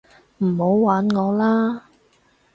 唔好玩我啦